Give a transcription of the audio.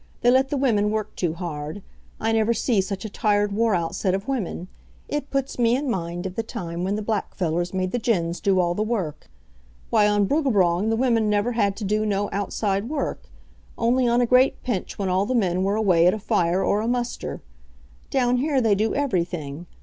They let the women work too hard. I never see such a tired wore out set of women. It puts me in mind ev the time wen the black fellers made the gins do all the work. Why, on Bruggabrong the women never had to do no outside work, only on a great pinch wen all the men were away at a fire or a muster. Down here they do everything.